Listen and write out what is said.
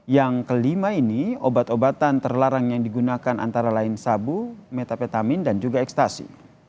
yang kelima ini obat obatan terlarang yang digunakan antara lain sabu metafetamin dan juga ekstasi